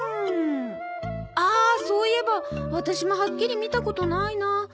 ああそういえばワタシもはっきり見たことないな。